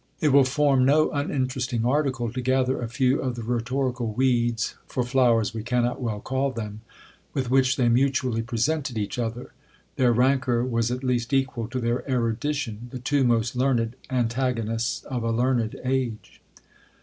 It will form no uninteresting article to gather a few of the rhetorical weeds, for flowers we cannot well call them, with which they mutually presented each other. Their rancour was at least equal to their erudition, the two most learned antagonists of a learned age!